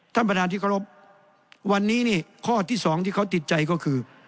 ถ้ำประนาถิกรพวันนี้ข้อที่๒ที่เขาติดใจก็คือ